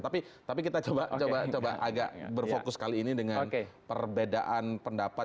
tapi kita coba agak berfokus kali ini dengan perbedaan pendapat